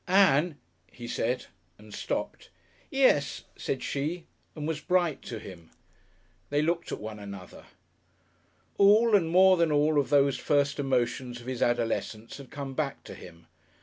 "Ann," he said and stopped. "Yes," said she, and was bright to him. They looked at one another. All and more than all of those first emotions of his adolescence had come back to him.